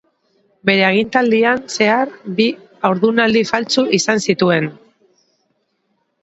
Bere agintaldian zehar bi haurdunaldi faltsu izan zituen.